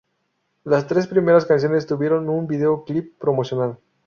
Las tres primeras canciones tuvieron un video clip promocional.